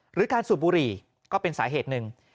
หรือการสูบบุหรี่ก็เป็นสาเหตุหนึ่ง